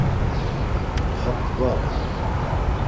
Mutxa p̌t̆ǩvare!